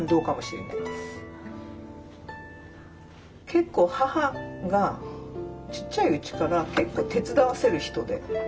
結構母がちっちゃいうちから手伝わせる人で。